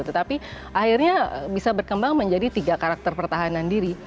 tetapi akhirnya bisa berkembang menjadi tiga karakter pertahanan diri